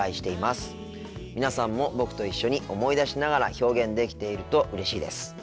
皆さんも僕と一緒に思い出しながら表現できているとうれしいです。